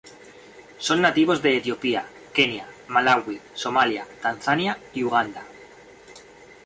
Son nativos de Etiopía, Kenia, Malawi, Somalia, Tanzania y Uganda.